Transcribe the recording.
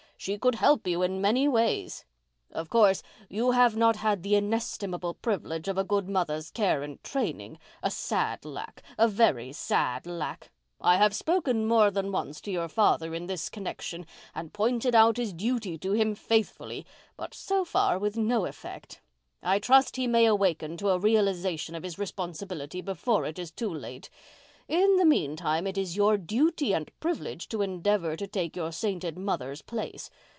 She could help you in many ways. Of course, you have not had the inestimable privilege of a good mother's care and training. A sad lack—a very sad lack. I have spoken more than once to your father in this connection and pointed out his duty to him faithfully, but so far with no effect. I trust he may awaken to a realization of his responsibility before it is too late. In the meantime, it is your duty and privilege to endeavour to take your sainted mother's place.